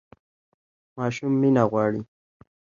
ماشوم مینه غواړي